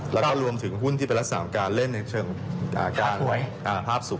แล้วก็รวมถึงหุ้นที่เป็นลักษณะของการเล่นในเชิงการภาพสุข